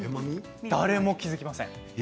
誰も気付きません。